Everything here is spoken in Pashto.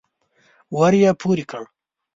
ور يې پورې کړ.